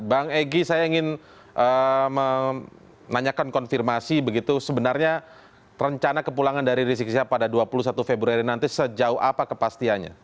bang egy saya ingin menanyakan konfirmasi begitu sebenarnya rencana kepulangan dari rizik sihab pada dua puluh satu februari nanti sejauh apa kepastiannya